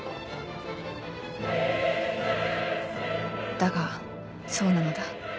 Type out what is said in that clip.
だがそうなのだ